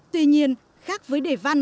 tuy nhiên khác với đề văn